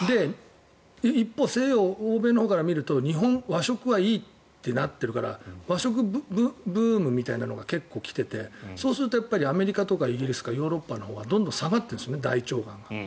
一方西洋、欧米のほうから見ると日本、和食はいいってなっているから和食ブームみたいなのが結構、来ていてそうするとアメリカとかイギリスとかヨーロッパのほうはどんどん下がってるんです大腸がんが。